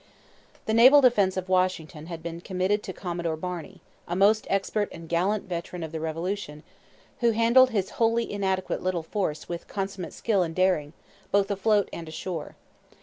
The naval defence of Washington had been committed to Commodore Barney, a most expert and gallant veteran of the Revolution, who handled his wholly inadequate little force with consummate skill and daring, both afloat and ashore.